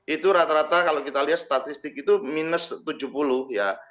itu rata rata kalau kita lihat statistik itu minus tujuh puluh ya